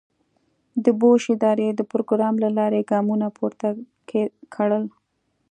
د بوش ادارې د پروګرام له لارې ګامونه پورته کړل.